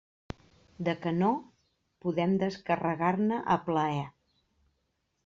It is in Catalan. De canó, podem descarregar-ne a plaer.